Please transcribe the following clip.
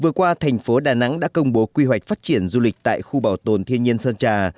vừa qua thành phố đà nẵng đã công bố quy hoạch phát triển du lịch tại khu bảo tồn thiên nhiên sơn trà